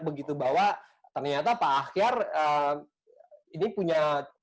begitu bahwa ternyata pak ahyar ini punya